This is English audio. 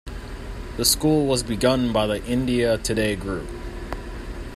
The school was begun by the India Today group.